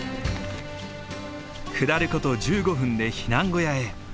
下る事１５分で避難小屋へ。